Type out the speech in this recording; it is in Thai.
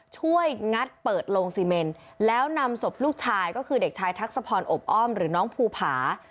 งัดเปิดโลงซีเมนแล้วนำศพลูกชายก็คือเด็กชายทักษะพรอบอ้อมหรือน้องภูผา